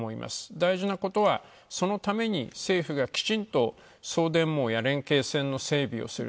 大事なことは、そのために政府がきちんと送電網などの整備をする。